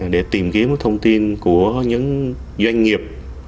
để tìm kiếm thông tin của những doanh nghiệp